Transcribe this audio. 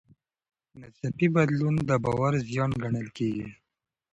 ناڅاپي بدلون د باور زیان ګڼل کېږي.